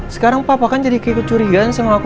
sekarang papa kan jadi kayak kecurigaan sama aku